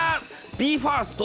ＢＥ：ＦＩＲＳＴ